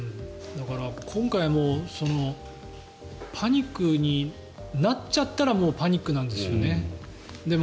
今回もパニックになっちゃったらもうパニックなんですよね。